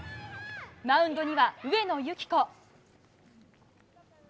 マウンドには上野由岐子。